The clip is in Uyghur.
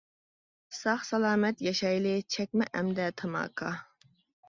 ساق سالامەت ياشايلى، چەكمە ئەمدى تاماكا!